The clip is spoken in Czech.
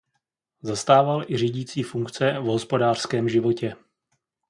Zastával i řídící funkce v hospodářském životě.